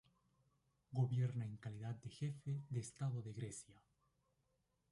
Gobierna en calidad de jefe de Estado de Grecia.